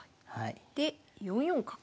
で４四角。